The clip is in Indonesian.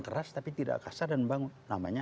keras tapi tidak kasar dan bang namanya